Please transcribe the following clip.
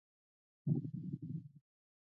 د اوبو بندونه د سیلابونو مخه نیسي